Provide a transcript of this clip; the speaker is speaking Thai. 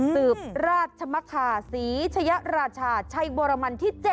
สืบราชมคาศรีชยราชาชัยบรมันที่๗